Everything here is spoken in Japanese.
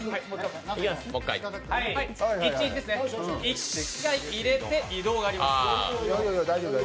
１回入れて、移動があります。